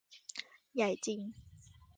ใหญ่จริง